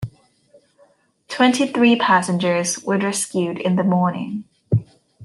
Twenty three passengers were rescued in the morning.